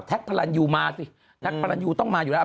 พระรันยูมาสิแท็กพระรันยูต้องมาอยู่แล้ว